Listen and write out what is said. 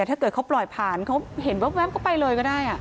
ถ้าเกิดเขาปล่อยผ่านเขาเห็นแว๊บก็ไปเลยก็ได้